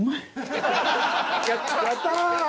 やったなぁ。